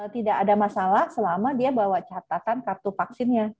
tidak ada masalah selama dia bawa catatan kartu vaksinnya